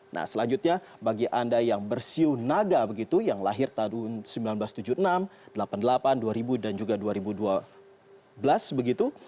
nah selanjutnya bagi anda yang bersiu naga begitu yang lahir tahun seribu sembilan ratus tujuh puluh enam seribu sembilan ratus delapan puluh delapan dua ribu dan juga dua ribu dua belas begitu